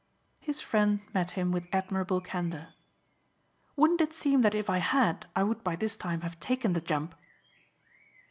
His friend met him with admirable candour. "Wouldn't it seem that if I had I would by this time have taken the jump?"